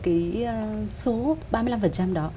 cái số ba mươi năm đó